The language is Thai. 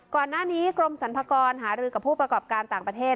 ก่อนหน้านี้กรมสรรพากรหารือกับผู้ประกอบการต่างประเทศ